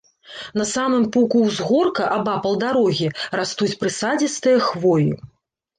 На самым пуку ўзгорка, абапал дарогі, растуць прысадзістыя хвоі.